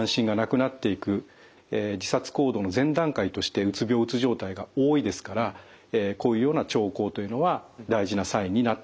自殺行動の前段階としてうつ病うつ状態が多いですからこういうような兆候というのは大事なサインになってきます。